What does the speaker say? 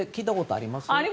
あります。